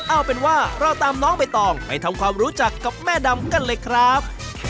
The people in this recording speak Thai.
เอาเป็นว่าเราตามน้องใบตองไปทำความรู้จักกับแม่ดำกันเลยครับ